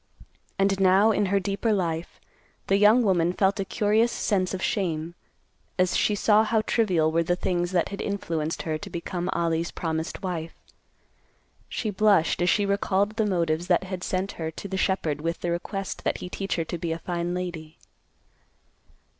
And now, in her deeper life, the young woman felt a curious sense of shame, as she saw how trivial were the things that had influenced her to become Ollie's promised wife. She blushed, as she recalled the motives that had sent her to the shepherd with the request that he teach her to be a fine lady.